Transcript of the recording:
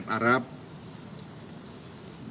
dan memang hubungan dengan united emirates arab